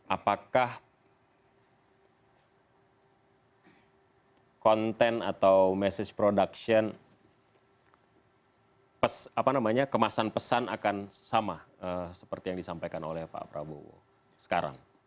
apakah konten atau message production kemasan pesan akan sama seperti yang disampaikan oleh pak prabowo sekarang